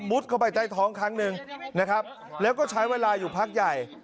เข้าไปใต้ท้องครั้งหนึ่งนะครับแล้วก็ใช้เวลาอยู่พักใหญ่